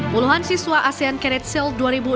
puluhan siswa asean cadet sail dua ribu enam belas